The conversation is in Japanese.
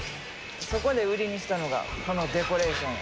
そこで売りにしたのがこのデコレーションや。